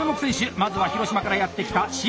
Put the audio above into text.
まずは広島からやって来た清水小百合！